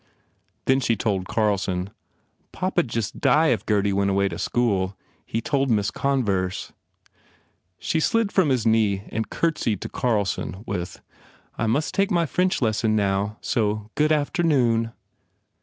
Then she told Carlson, "Papa d just die if Gurdy went away to school. He told Miss Converse." She slid from his knee and curtsied to Carlson with, "I must take my French lesson, now. So, good afternoon."